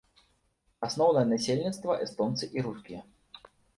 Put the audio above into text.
Асноўнае насельніцтва эстонцы і рускія.